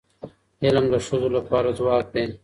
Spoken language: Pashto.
علم د ښځو لپاره ځواک دی.